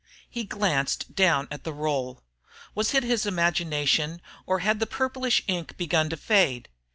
He glanced down at the roll. Was it his imagination, or had the purplish ink begun to fade?